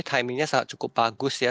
timingnya cukup bagus ya